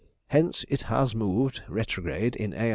Hence it has moved retrograde in A.